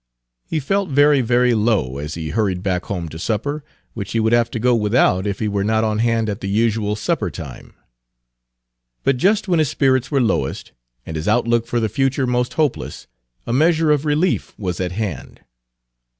He felt very, very low as he hurried back home to supper, which he would have to go without if he were not on hand at the usual supper time. But just when his spirits were lowest, and his outlook for the future most hopeless, a measure of relief was at hand.